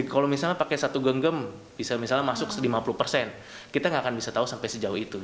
kalau misalnya pakai satu genggam bisa misalnya masuk lima puluh persen kita nggak akan bisa tahu sampai sejauh itu